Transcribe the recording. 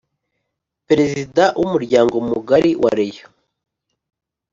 Perezida w’ Umuryango mugari wa Rayon